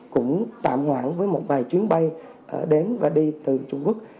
cũng tạm hoãn với một vài chuyến bay đến và đi từ trung quốc